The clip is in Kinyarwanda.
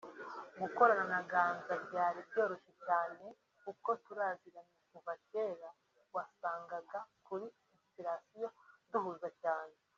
Gukorana na Ganza byari byoroshye cyaaaane kuko turaziranye kuva cyera wasangaga kuri inspirations duhuza cyane